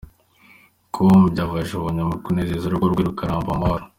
com byafasha umugabo kunezeza urugo rwe rukaramba mu mahoro :.